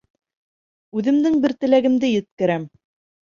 Үҙемдең бер теләгемде еткерәм.